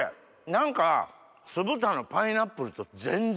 何か酢豚のパイナップルと全然違う。